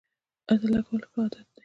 عطر لګول ښه عادت دی